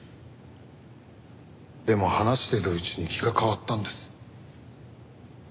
でも話してるうちに気が変わったんです。